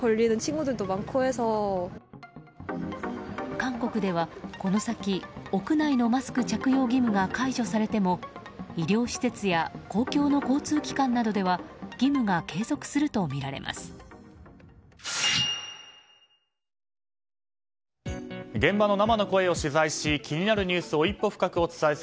韓国では、この先屋内のマスク着用義務が解除されても医療施設や公共の交通機関などでは義務が継続するとみられます。